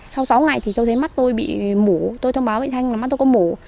sau sáu ngày thì tôi thấy mắt tôi bị mủ tôi thông báo với chị thanh là mắt tôi có mủ